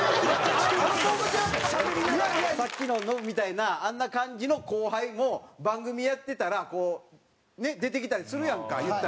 さっきのノブみたいなあんな感じの後輩も番組やってたら出てきたりするやんか。